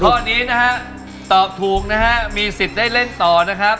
ข้อนี้นะฮะตอบถูกนะฮะมีสิทธิ์ได้เล่นต่อนะครับ